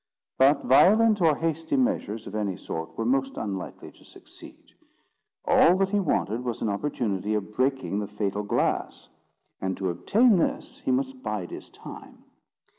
But violent or hasty measures of any sort were most unlikely to succeed. All that he wanted was an opportunity of breaking the fatal glass; and to obtain this he must bide his time.